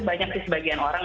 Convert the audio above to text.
banyak sih sebagian orang